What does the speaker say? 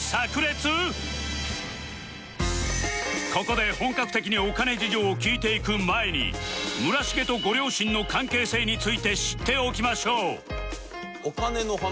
ここで本格的にお金事情を聞いていく前に村重とご両親の関係性について知っておきましょう